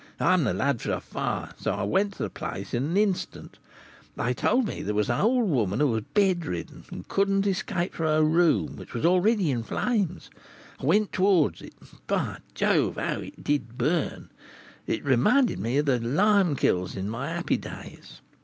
I am the lad for a fire, and so I went to the place in an instant. They told me that there was an old woman who was bedridden, and could not escape from her room, which was already in flames. I went towards it, and, by Jove! how it did burn; it reminded me of the lime kilns in my happy days.